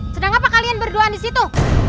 sedang apa kalian berdua disitu